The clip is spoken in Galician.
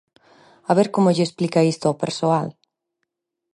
A ver como lle explica isto ao persoal.